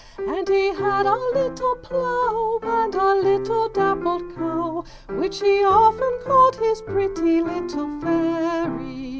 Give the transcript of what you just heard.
And he had a little plough, And a little dappled cow, Which he often called his pretty little Fairy O!